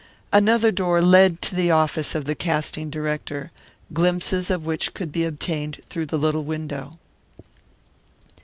Another door led to the office of the casting director, glimpses of which could be obtained through the little window.